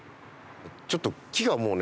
ちょっと木がもうね